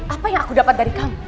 apa yang aku dapat dari kamu